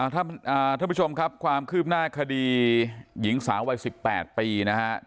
ท่านผู้ชมครับความคืบหน้าคดีหญิงสาววัย๑๘ปีนะฮะ